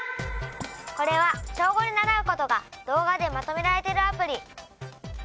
これは小５で習うことが動画でまとめられているアプリ。